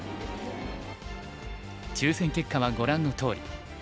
抽選結果はご覧のとおり。